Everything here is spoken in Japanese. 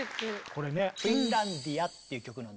これね「フィンランディア」っていう曲なんですね。